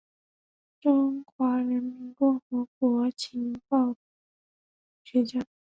中华人民共和国情报学家。